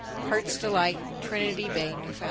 _Hearts Delight, Trinity Bay, N.F.